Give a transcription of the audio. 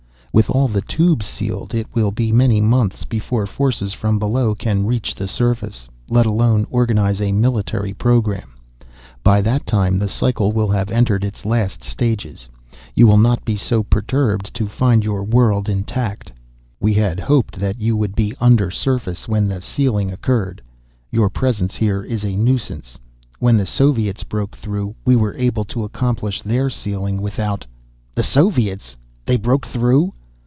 With all the Tubes sealed, it will be many months before forces from below can reach the surface, let alone organize a military program. By that time the cycle will have entered its last stages. You will not be so perturbed to find your world intact. "We had hoped that you would be undersurface when the sealing occurred. Your presence here is a nuisance. When the Soviets broke through, we were able to accomplish their sealing without " "The Soviets? They broke through?"